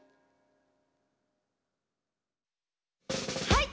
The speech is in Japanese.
はい！